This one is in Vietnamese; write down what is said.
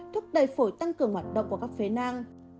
thúc đẩy phổi tăng cường hoạt động của các phế nang